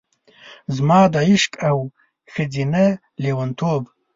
زما د عشق او ښځینه لیونتوب،